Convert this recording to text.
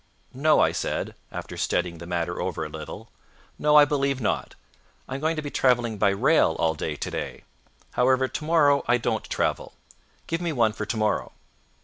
"No," I said, after studying the matter over a little. "No, I believe not; I am going to be traveling by rail all day today. However, tomorrow I don't travel. Give me one for tomorrow."